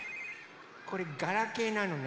これガラケーなのね。